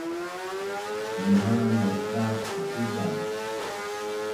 Munha’an naip baq kuzakuza